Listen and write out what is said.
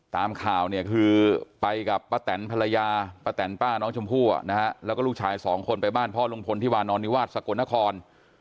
ตามข่าวเนี่ยคือไปกับป้าแตนภรรยาป้าแตนป้าน้องชมพู่แล้วก็ลูกชายสองคนไปบ้านพ่อลุงพลที่วานอนนิวาสสกลนคร